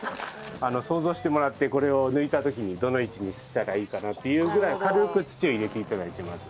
想像してもらってこれを抜いた時にどの位置にしたらいいかなっていうぐらい軽く土を入れて頂いてまず。